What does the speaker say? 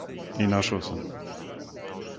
И нашао сам те.